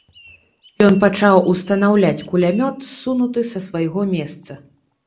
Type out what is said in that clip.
Ён пачаў устанаўляць кулямёт, ссунуты са свайго месца.